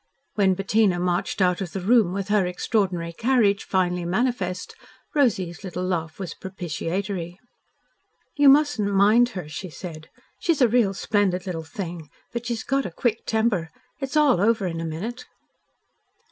When Bettina marched out of the room with her extraordinary carriage finely manifest, Rosy's little laugh was propitiatory. "You mustn't mind her," she said. "She's a real splendid little thing, but she's got a quick temper. It's all over in a minute."